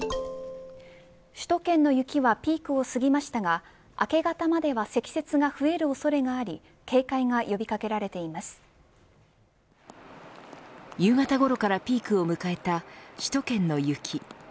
首都圏の雪はピークを過ぎましたが明け方までは積雪が増える恐れがあり夕方ごろからピークを迎えた首都圏の雪。